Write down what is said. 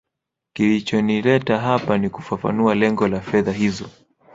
kilichonileta hapa ni kufafanua lengo la fedha hizo